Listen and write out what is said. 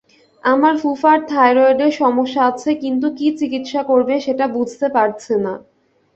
আমার ফুফার থায়রয়েডের সমস্যা আছে কিন্তু কী চিকিৎসা করবে সেটা বুঝতে পারছে না।